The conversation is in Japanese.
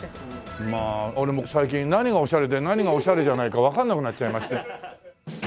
まあ俺も最近何がオシャレで何がオシャレじゃないかわかんなくなっちゃいまして。